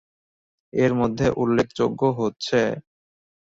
এর মধ্যে উল্লেখযোগ্য হচ্ছেঃ